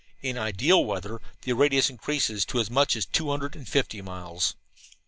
In ideal weather the radius increases to as much as two hundred and fifty miles.